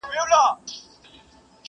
چي غمی یې وړﺉ نه را معلومېږي،